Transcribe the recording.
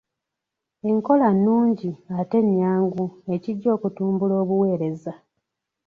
Enkola nnungi ate nnyangu ekijja okutumbula obuweereza.